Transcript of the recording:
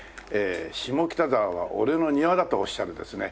下北沢は俺の庭だとおっしゃるですね